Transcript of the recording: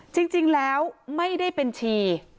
จริงแล้วไม่ได้เป็นชี